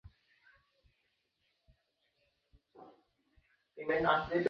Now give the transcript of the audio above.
তোমার সাথে গিল্ডে দেখা হবে।